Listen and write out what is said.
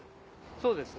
そうです。